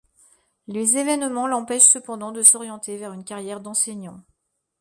Les événements l'empêchent cependant de s'orienter vers une carrière d'enseignant.